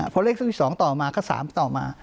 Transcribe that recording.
เพราะเลข๓๒ต่อมา๓ต่อมา